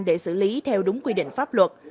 để xử lý theo đúng quy định pháp luật